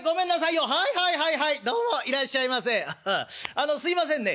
あのすいませんね